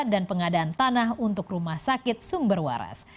dan pengadaan tanah untuk rumah sakit sungberwaras